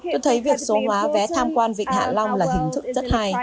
tôi thấy việc số hóa vé tham quan vịnh hạ long là hình thức rất hay